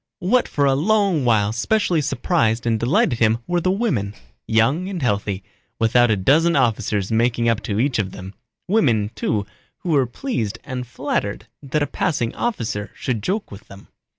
What for a long while specially surprised and delighted him were the women, young and healthy, without a dozen officers making up to each of them; women, too, who were pleased and flattered that a passing officer should joke with them.